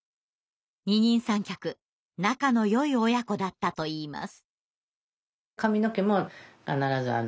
二人三脚仲のよい親子だったといいます。